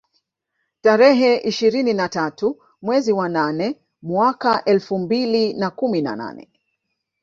Tarehe ishirini na tatu mwezi wa nane mwaka elfu mbili na kumi na nane